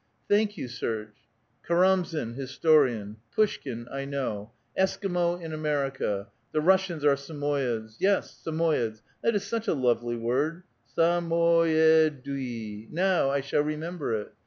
''Thank you, Serge. Karamzin, historian; Pushkin, I 1 know ; Esquimaux, in America ; the Russians are Samoyeds ; yes, Samoyeds. That is such a lovely word : Sa mo ye dui ! Now I shall remember it.